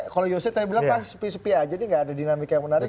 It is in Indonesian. kalau yosef tadi bilang pasti sepi sepi aja nih nggak ada dinamika yang menarik